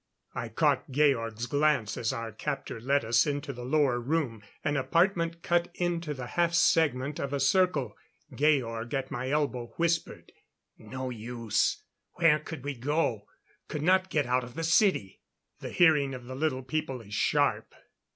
I caught Georg's glance as our captor led us into the lower room an apartment cut into the half segment of a circle. Georg, at my elbow, whispered: "No use! Where could we go? Could not get out of the city " The hearing of the Little People is sharp.